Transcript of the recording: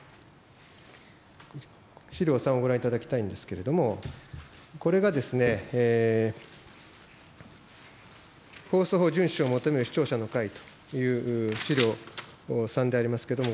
資料３をご覧いただきたいんですけども、これが放送法遵守を求める視聴者の会という資料３でありますけれども、ご覧いただきたいと思います。